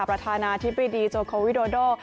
ประธานาธิบดีโจโควิโดโด